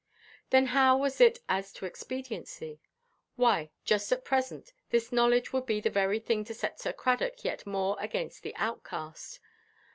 Then how was it as to expediency? Why, just at present, this knowledge would be the very thing to set Sir Cradock yet more against the outcast.